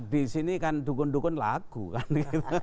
di sini kan dukun dukun lagu kan gitu